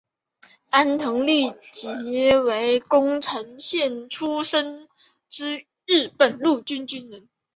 安藤利吉为宫城县出身之日本陆军军人。